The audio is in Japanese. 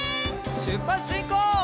しゅっぱつしんこう！